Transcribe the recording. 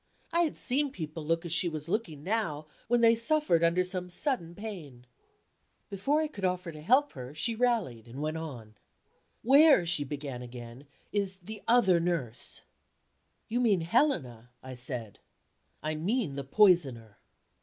I had seen people look as she was looking now, when they suffered under some sudden pain. Before I could offer to help her, she rallied, and went on: "Where," she began again, "is the other nurse?" "You mean Helena?" I said. "I mean the Poisoner."